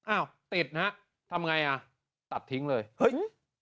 อ้าวติดนะฮะทำไงอ่ะตัดทิ้งเลยเฮ้ย